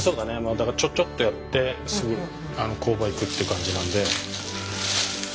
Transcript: だからちょちょっとやってすぐ工場行くって感じなんで。